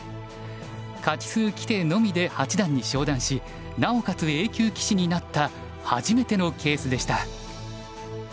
勝数規定のみで八段に昇段しなおかつＡ級棋士になった初めてのケースでした。